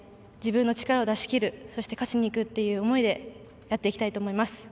自分の力を出しきるそして、勝ちにいくっていう思いでやっていきたいと思います。